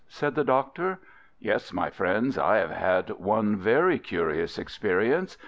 said the Doctor. Yes, my friends, I have had one very curious experience.